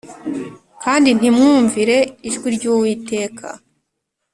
Kandi ntimwumvire ijwi ry uwiteka